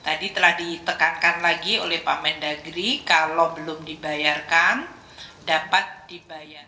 tadi telah ditekankan lagi oleh pak mendagri kalau belum dibayarkan dapat dibayar